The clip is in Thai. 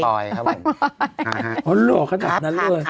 โหโหหลวงขนาดนั้นด้วย